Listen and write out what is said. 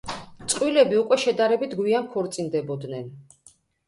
წყვილები უკვე შედარებით გვიან ქორწინდებოდნენ.